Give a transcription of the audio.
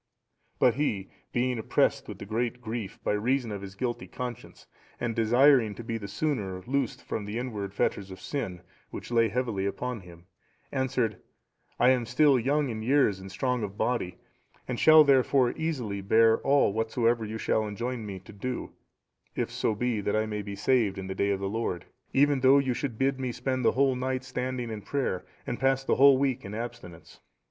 But he, being oppressed with great grief by reason of his guilty conscience, and desiring to be the sooner loosed from the inward fetters of sin, which lay heavy upon him, answered, "I am still young in years and strong of body, and shall, therefore, easily bear all whatsoever you shall enjoin me to do, if so be that I may be saved in the day of the Lord, even though you should bid me spend the whole night standing in prayer, and pass the whole week in abstinence."